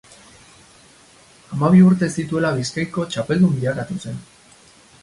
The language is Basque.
Hamabi urte zituela Bizkaiko txapeldun bilakatu zen.